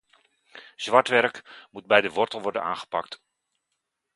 Zwartwerk moet bij de wortel worden aangepakt.